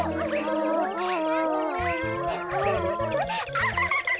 アハハハハ！